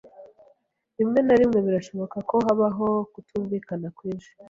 Rimwe na rimwe birashoboka ko habaho kutumvikana kwinshi.